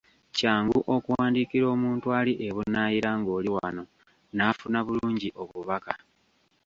Kyangu okuwandiikira omuntu ali e Bunaayira ng'oli wano n'afuna bulungi obubaka.